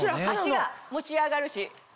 脚が持ち上がるし。